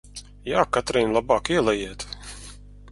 Jā, Katrīn, labāk ielejiet!